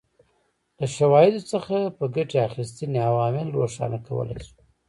له شواهدو څخه په ګټې اخیستنې عوامل روښانه کولای شو.